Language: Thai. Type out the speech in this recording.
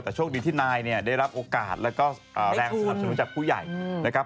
แต่โชคดีที่นายเนี่ยได้รับโอกาสแล้วก็แรงสนับสนุนจากผู้ใหญ่นะครับ